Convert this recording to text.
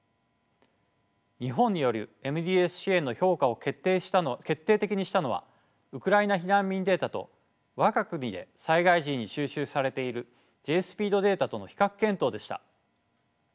日本によるＭＤＳ支援の評価を決定的にしたのはウクライナ避難民データと我が国で災害時に収集されているＪ−ＳＰＥＥＤデータとの比較検討でした。